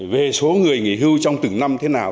về số người nghỉ hưu trong từng năm thế nào